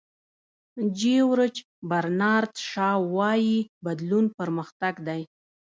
جیورج برنارد شاو وایي بدلون پرمختګ دی.